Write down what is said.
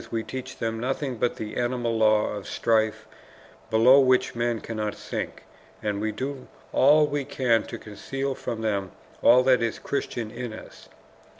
we teach them nothing but the animal law of strife, below which man cannot sink, and we do all we can to conceal from them all that is Christian in us.